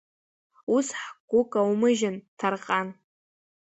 Ус ҳгәы каумыжьын, Ҭарҟан!